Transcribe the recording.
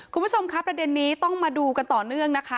คุณผู้ชมครับประเด็นนี้ต้องมาดูกันต่อเนื่องนะคะ